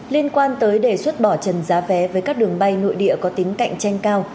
liên quan tới đề xuất bỏ trần giá vé với các đường bay nội địa có tính cạnh tranh cao